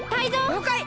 りょうかい！